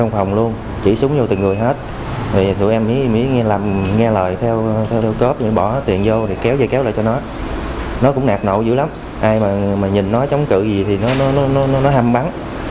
nó cũng nạt nậu dữ lắm ai mà nhìn nó chống cự gì thì nó hâm bắn